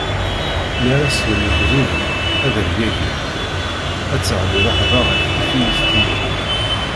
Mi ara slen yegduden, ad rgagin, ad d-teɣli rrehba ɣef Ifilistiyen.